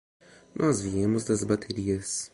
Nós viemos das baterias.